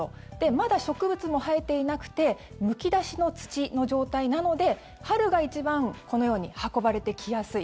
まだ植物も生えていなくてむき出しの土の状態なので春が一番、このように運ばれてきやすい